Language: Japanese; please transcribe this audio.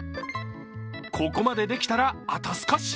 ここまでできたら、あと少し。